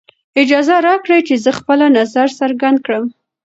اجازه راکړئ چې زه خپله نظر څرګند کړم.